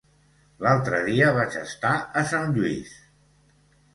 L'altre dia vaig estar a Sant Lluís.